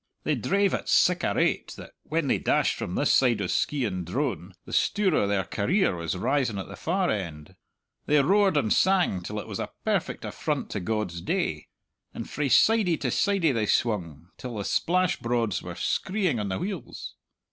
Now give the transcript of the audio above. They drave at sic a rate that when they dashed from this side o' Skeighan Drone the stour o' their career was rising at the far end. They roared and sang till it was a perfect affront to God's day, and frae sidie to sidie they swung till the splash brods were skreighing on the wheels.